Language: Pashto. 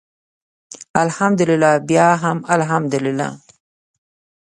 الحمدلله بیا هم الحمدلله.